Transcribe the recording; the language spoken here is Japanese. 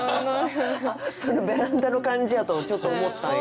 あっそのベランダの感じやとちょっと思ったんや。